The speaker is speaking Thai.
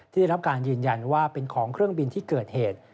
ได้รับการยืนยันว่าเป็นของเครื่องบินที่เกิดเหตุ